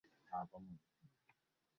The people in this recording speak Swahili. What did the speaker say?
huunda mpaka kati ya Ulaya na Asia Matokeo